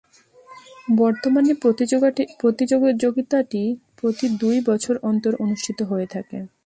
বর্তমানে প্রতিযোগিতাটি প্রতি দুই বছর অন্তর অনুষ্ঠিত হয়ে থাকে।